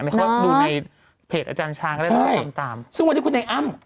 อันนี้เขาดูในเพจอาจารย์ช้างก็ได้ตามใช่ซึ่งวันนี้คุณไอ้อ้ำ